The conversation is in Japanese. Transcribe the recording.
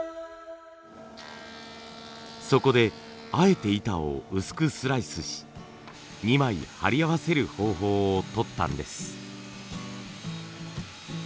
そこであえて板を薄くスライスし２枚貼り合わせる方法をとったんです。